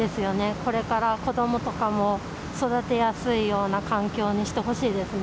これから子どもとかも育てやすいような環境にしてほしいですね。